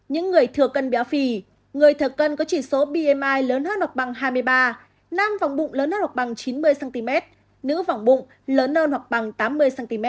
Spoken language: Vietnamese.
những người thừa cân béo phì người thờ cân có chỉ số bmi lớn hơn hoặc bằng hai mươi ba nam vòng bụng lớn hơn bằng chín mươi cm nữ vòng bụng lớn hơn hoặc bằng tám mươi cm